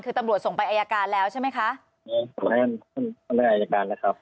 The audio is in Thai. คือตำลวดส่งไปอายการแล้วใช่ไหมคะเออสำหรับอายการนะครับ